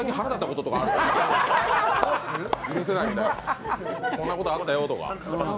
こんなことあったよとか。